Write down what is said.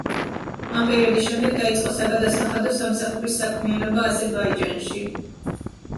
ამ პერიოდის შემდეგ დაიწყო საგადასახადო სამსახურის საქმიანობა აზერბაიჯანში.